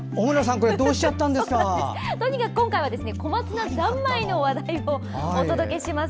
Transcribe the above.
今回はとにかく小松菜三昧の話題をお届けします。